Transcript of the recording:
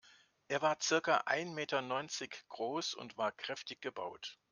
Er war circa ein Meter neunzig groß und war kräftig gebaut.